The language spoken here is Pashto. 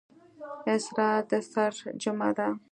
اسرار د سِر جمعه ده.